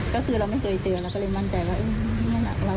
ก็คือเราไม่เคยเจอเราก็เลยมั่นใจว่า